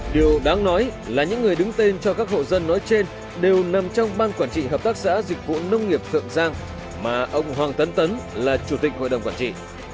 điều đáng nói là những người đứng tên cho các hộ dân nói trên đều nằm trong ban quản trị hợp tác xã dịch vụ nông nghiệp thượng giang mà ông hoàng tấn tấn là chủ tịch hội đồng quản trị